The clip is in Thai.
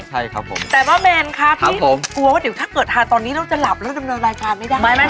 ใช่ครับผมแต่ป้าแมนครับพี่ผมกลัวว่าเดี๋ยวถ้าเกิดทานตอนนี้เราจะหลับแล้วดำเนินรายการไม่ได้